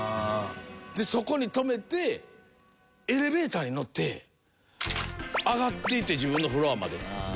でそこに止めてエレベーターに乗って上がっていって自分のフロアまで。